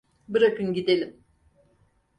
Bırakın gidelim.